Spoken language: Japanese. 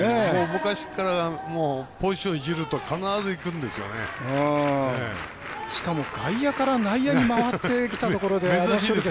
昔からポジションいじるとしかも外野から内野に回ってきたところで。